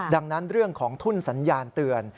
ดังนั้นเรื่องของทุ่นสัญญาณเตือน